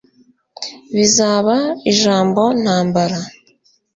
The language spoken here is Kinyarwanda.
bizaba ijambo-ntambara